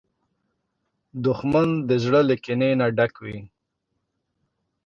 دښمن د زړه له کینې نه ډک وي